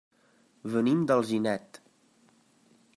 Venim d'Alginet.